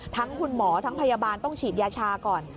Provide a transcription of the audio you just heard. ทั้งคุณหมอทั้งพยาบาลต้องฉีดยาชาก่อน